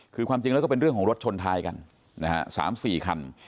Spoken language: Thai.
คือความจริงแล้วก็เป็นเรื่องของรถชนท้ายกันนะฮะ๓๔คัน